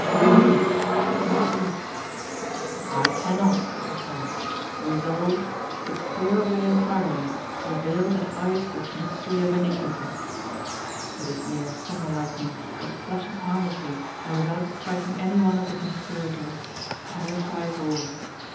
No! not yet. "I cannot," he says, "resolve to clear away entirely the veil that hides this mystery of iniquity." It is mere summer lightning that flashes harmlessly and without striking any one of the conspirators, terrifies all.